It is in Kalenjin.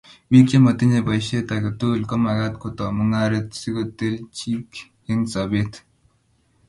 Bik chematinye baishet age tugul komagat kotoi mung'aret sikoteleljikei eng sobet